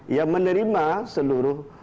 yang menerima seluruh